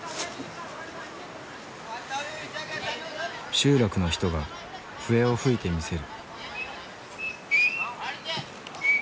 集落の人が笛を吹いて見せる。